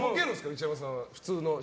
内山さんは。